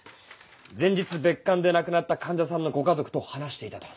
前日別館で亡くなった患者さんのご家族と話していたと。